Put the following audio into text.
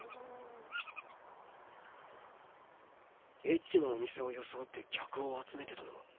エッチなお店を装って客を集めてたの？